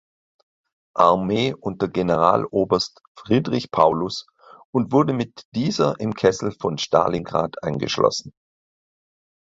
Armee unter Generaloberst Friedrich Paulus und wurde mit dieser im Kessel von Stalingrad eingeschlossen.